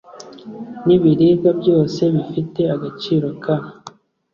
n ibiribwa byose bifite agaciro ka